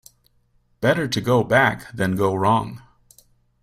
Better to go back than go wrong.